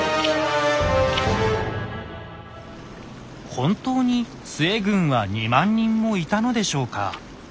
本当に陶軍は２万人もいたのでしょうか。